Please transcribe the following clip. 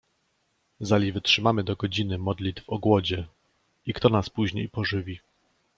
Zali wytrzymamy do godziny modlitw o głodzie — i kto nas później pożywi.